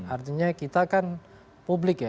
artinya kita kan publik ya